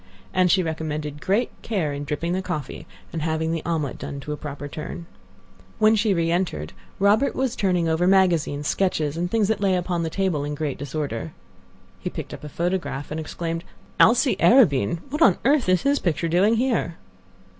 And she recommended great care in dripping the coffee and having the omelet done to a proper turn. When she reentered, Robert was turning over magazines, sketches, and things that lay upon the table in great disorder. He picked up a photograph, and exclaimed: "Alcée Arobin! What on earth is his picture doing here?"